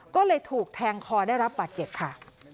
ก็เลยถูกแทงคอได้รับบาดเจ็บค่ะ